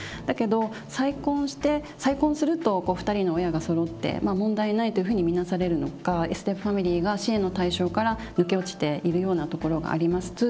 だけど再婚して再婚すると２人の親がそろって問題ないというふうに見なされるのかステップファミリーが支援の対象から抜け落ちているようなところがあります。